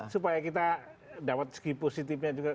supaya kita dapat segi positifnya juga